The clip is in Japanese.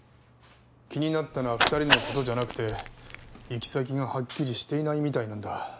気になったのは２人の事じゃなくて行き先がはっきりしていないみたいなんだ。